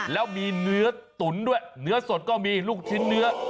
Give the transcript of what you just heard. แล้วมีเนื้อตุ๋นด้วยเนื้อสดก็มีลูกชิ้นเนื้อ